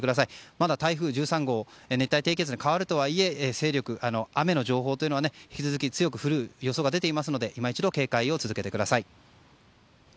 まだ台風１３号は熱帯低気圧に変わるとはいえ雨については引き続き降る予想が出ていますので今一度警戒を続けてください。